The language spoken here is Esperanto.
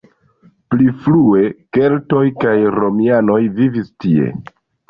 Pli frue keltoj kaj romianoj vivis tie.